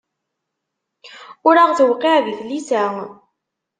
Ur aɣ-tewqiɛ di tlisa.